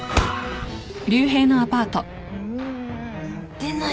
ん出ない。